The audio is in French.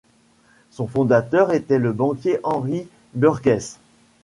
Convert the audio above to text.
Son fondateur était le banquier Henry Burgess.